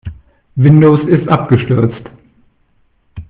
Windows ist abgestürzt.